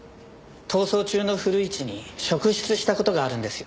逃走中の古市に職質した事があるんですよ。